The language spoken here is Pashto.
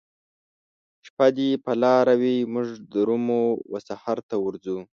شپه دي په لاره وي موږ درومو وسحرته ورځو